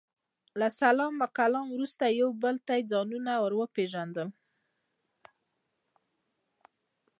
له سلام او کلام وروسته مو یو بل ته ځانونه ور وپېژندل.